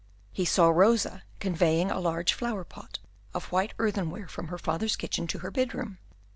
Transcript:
He saw Rosa conveying a large flower pot of white earthenware from her father's kitchen to her bedroom.